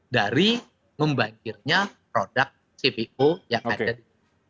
dari membangkirnya produk cpo yang ada di sini